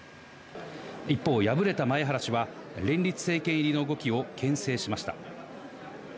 一方、敗れた前原氏は、連立政権入りの動きをけん制しました。